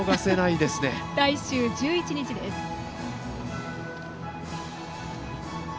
来週１１日です。